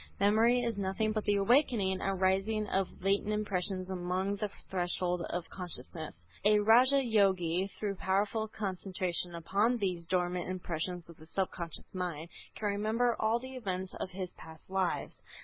Memory is nothing but the awakening and rising of latent impressions above the threshold of consciousness. A Raja Yogi, through powerful concentration upon these dormant impressions of the subconscious mind, can remember all the events of his past lives.